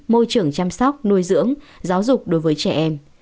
môi trường chăm sóc nuôi dưỡng giáo dục đối với trẻ em